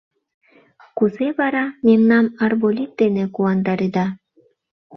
— Кузе вара, мемнам арболит дене куандареда?